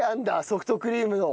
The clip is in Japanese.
ソフトクリームの。